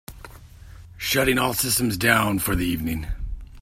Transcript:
Shutting all systems down for the evening.